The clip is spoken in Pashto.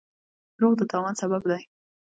دروغ د تاوان سبب دی.